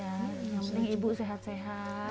yang penting ibu sehat sehat